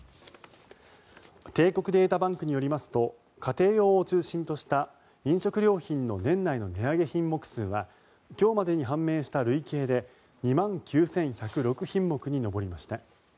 帝国データバンクによりますと家庭用を中心とした飲食料品の年内の値上げ品目数は今日までに判明した累計で２万９１０６品目に上りました。